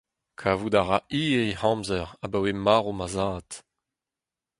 Kavout a ra hir hec’h amzer abaoe marv ma zad.